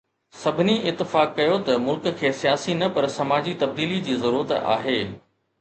سڀني اتفاق ڪيو ته ملڪ کي سياسي نه پر سماجي تبديلي جي ضرورت آهي.